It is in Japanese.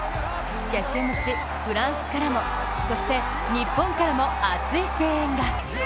決戦の地・フランスからもそして日本からも熱い声援が。